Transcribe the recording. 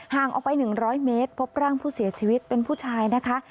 ออกไป๑๐๐เมตรพบร่างผู้เสียชีวิตเป็นผู้ชายนะคะ